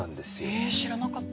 へえ知らなかった。